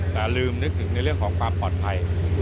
แต่ลืมนึกถึงในเรื่องของความปลอดภัย